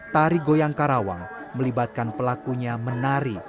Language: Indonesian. tari goyang karawang melibatkan pelakunya menari